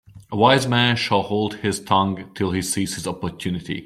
A wise man shall hold his tongue till he sees his opportunity.